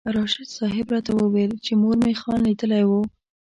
راشد صاحب راته وویل چې مور مې خان لیدلی و.